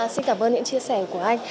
xin cảm ơn những chia sẻ của anh